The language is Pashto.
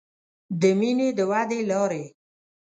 د مینې د ودې لارې